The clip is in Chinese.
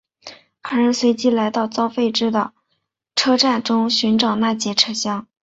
二人随即来到遭废置的车站中寻找那节车厢。